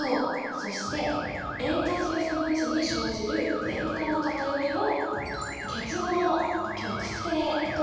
そして塩化水素分子に生じる電荷の偏りを結合の極性というんだ。